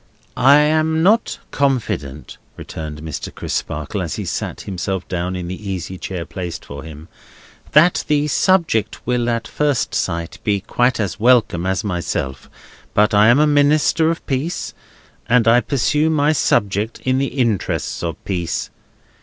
I am not confident," returned Mr. Crisparkle, as he sat himself down in the easy chair placed for him, "that my subject will at first sight be quite as welcome as myself; but I am a minister of peace, and I pursue my subject in the interests of peace.